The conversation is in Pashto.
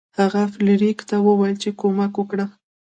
هغه فلیریک ته وویل چې کومک وکړه.